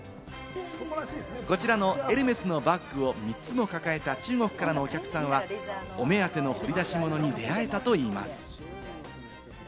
こちらのエルメスのバッグを３つも抱えた中国からのお客さんは、お目当ての掘り出し物に出会えたといいます。